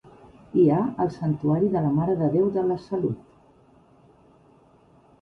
Hi ha el santuari de la Mare de Déu de la Salut.